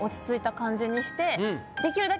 できるだけ